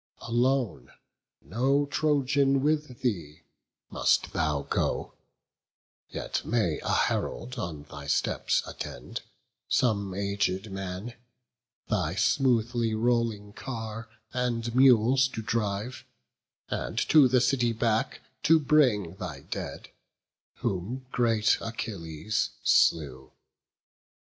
Alone, no Trojan with thee, must thou go; Yet may a herald on thy steps attend, Some aged man, thy smoothly rolling car And mules to drive, and to the city back To bring thy dead, whom great Achilles slew.